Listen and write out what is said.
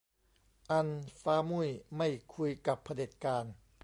อัน ฟ้ามุ่ยไม่คุยกับเผด็จการ